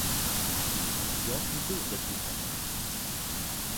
Ён і быў запісаны.